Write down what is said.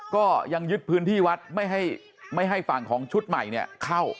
ก็ยังยึดพื้นที่วัดไม่ให้ฝั่งของชุดใหม่เข้า